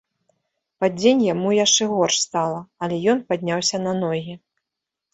Пад дзень яму яшчэ горш стала, але ён падняўся на ногі.